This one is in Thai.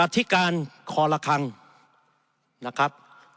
ธิการคอละครั้งนะครับ